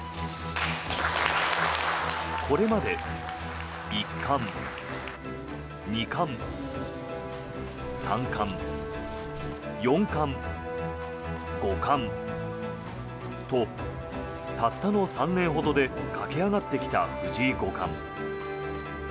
これまで一冠、二冠、三冠四冠、五冠とたったの３年ほどで駆け上がってきた藤井五冠。